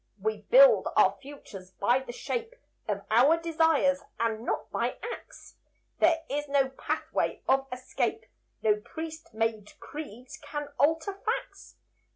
We build our futures, by the shape Of our desires, and not by acts. There is no pathway of escape; No priest made creeds can alter facts.